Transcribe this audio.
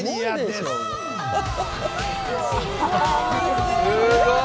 すごい！